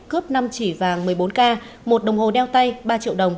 cướp năm chỉ vàng một mươi bốn k một đồng hồ đeo tay ba triệu đồng